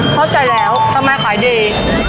เข้าใจแล้วทำไมขายดี